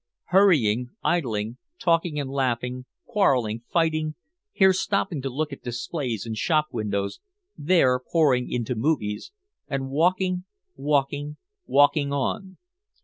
Hurrying, idling, talking and laughing, quarreling, fighting, here stopping to look at displays in shop windows, there pouring into "Movies" and walking, walking, walking on.